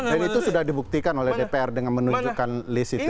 dan itu sudah dibuktikan oleh dpr dengan menunjukkan list itu ya